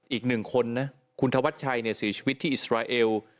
อีกหนึ่งคนนะคุณธวัชชัยเสียชีวิตที่อิสราเอล